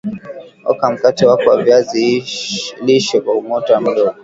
oka mkate wako wa viazi lishe kwa mota mdogo